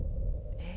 えっ！？